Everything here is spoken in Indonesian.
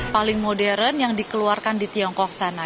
paling modern yang dikeluarkan di tiongkok sana